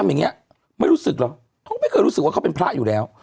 อย่างนี้ไม่รู้สึกหรอกเขาไม่เคยรู้สึกว่าเขาเป็นพระอยู่แล้ว